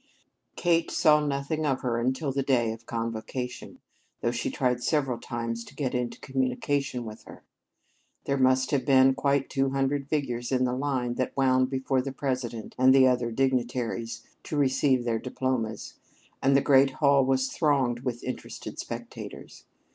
Kate saw nothing of her until the day of convocation, though she tried several times to get into communication with her. There must have been quite two hundred figures in the line that wound before the President and the other dignitaries to receive their diplomas; and the great hall was thronged with interested spectators.